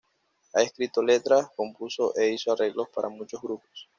Ha escrito letras, compuso e hizo arreglos para muchos grupos.